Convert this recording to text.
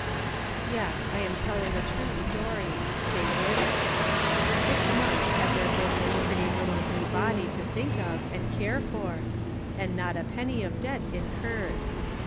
Yes, I am telling a true story. They did it. Six months had there been this pretty little new body to think of and care for, and not a penny of debt incurred.